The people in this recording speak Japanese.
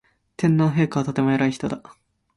天皇陛下はとても偉い人だ